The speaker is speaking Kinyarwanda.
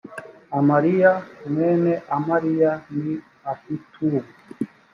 amariya mwene amariya ni ahitubu